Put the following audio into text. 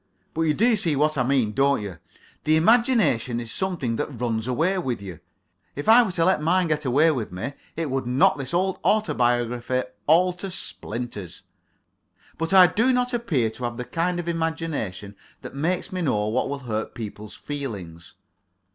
But you do see what I mean, don't you? The imagination is something that runs away with you. If I were to let mine get away with me, it would knock this old autobiography all to splinters. But I do not appear to have the kind of imagination that makes me know what will hurt people's feelings.